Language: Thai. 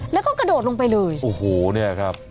แล้วก็กระโดดลงไปเลยโอ้โหเนี่ยครับ